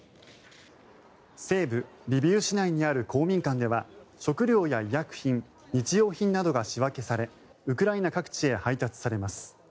西部リビウ市内にある公民館では食料や医薬品、日用品などが仕分けされウクライナ各地へ配達されます。